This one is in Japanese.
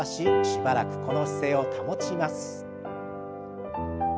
しばらくこの姿勢を保ちます。